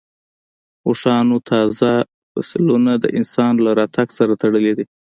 اوښانو تازه فسیلونه د انسان له راتګ سره تړلي دي.